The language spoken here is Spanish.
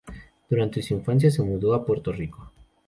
Durante su infancia se mudó a Puerto Rico.